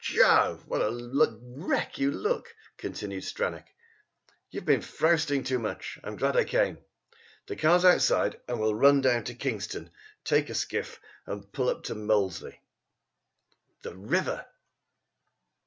"Jove! What a wreck you look!" continued Stranack. "You've been frousting too much. I'm glad I came. The car's outside, and we'll run down to Kingston, take a skiff and pull up to Molesey." The river!